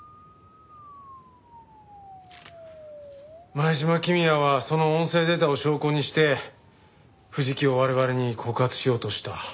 前島公也はその音声データを証拠にして藤木を我々に告発しようとした。